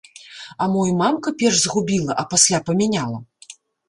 А мо і мамка перш згубіла, а пасля памяняла?